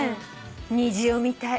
虹を見たい。